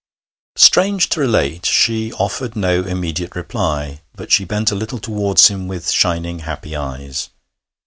Strange to relate, she offered no immediate reply, but she bent a little towards him with shining, happy eyes.